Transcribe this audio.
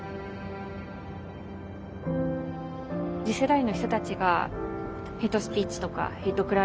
次世代の人たちがヘイトスピーチとかヘイト